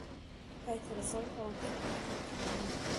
پای ته رسول او د عدالت تامین